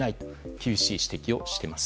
厳しい指摘をしています。